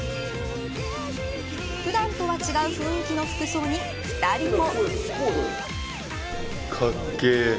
普段とは違う雰囲気の服装に２人も。